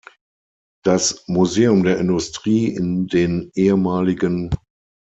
Das "Museum der Industrie" in den ehem.